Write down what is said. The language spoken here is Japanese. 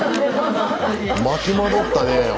巻き戻ったねえ。